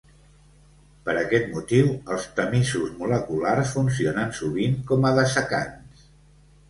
Per aquest motiu els tamisos moleculars funcionen sovint com a dessecants.